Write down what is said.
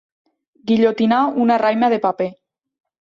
Guillotinar una raima de paper.